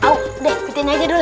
udah pukain aja dulu